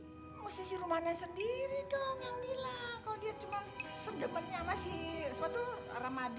kalau dia cuma sedemannya sama si sepatu rahmadi